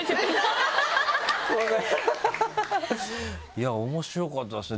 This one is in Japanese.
いや面白かったですね